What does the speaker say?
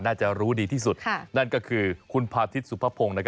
น่าจะรู้ดีที่สุดนั่นก็คือคุณพาทิศสุภพงศ์